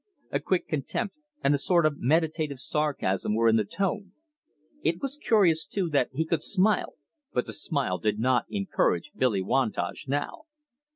A quick contempt and a sort of meditative sarcasm were in the tone. It was curious, too, that he could smile, but the smile did not encourage Billy Wantage now.